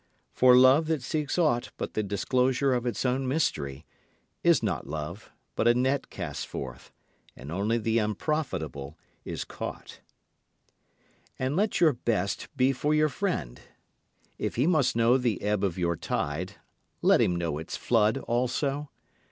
For love that seeks aught but the disclosure of its own mystery is not love but a net cast forth: and only the unprofitable is caught. And let your best be for your friend. If he must know the ebb of your tide, let him know its flood also.